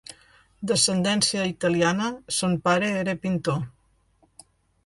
D'ascendència italiana, son pare era pintor.